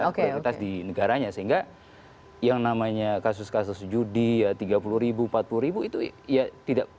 prioritas di negaranya sehingga yang namanya kasus kasus judi ya tiga puluh ribu empat puluh ribu itu ya tidak